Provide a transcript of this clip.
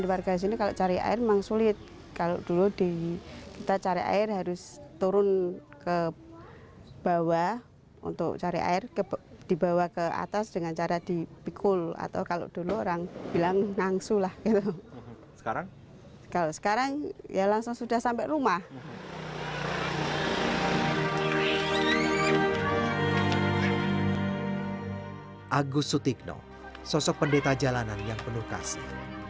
agus sutigno sosok pendeta jalanan yang penuh kasih